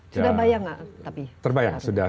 sudah bayang nggak tapi